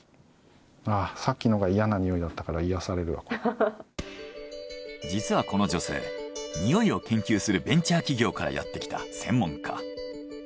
あぁさっきのが嫌なにおいだったから実はこの女性においを研究するベンチャー企業からやってきた専門家。